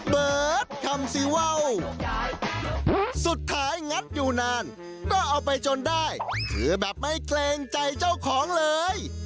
เบิร์ตทำซีว่าวสุดท้ายงัดอยู่นานก็เอาไปจนได้ถือแบบไม่เกรงใจเจ้าของเลย